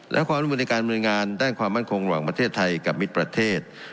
และความร่วมมือในการบริเวณงานด้านความมั่นคงระหว่างประเทศไทยกับมิตรประเทศ